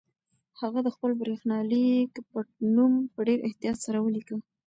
هغه د خپل برېښنالیک پټنوم په ډېر احتیاط سره ولیکه.